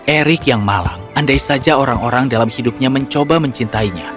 erik yang malang andai saja orang orang dalam hidupnya mencoba mencintainya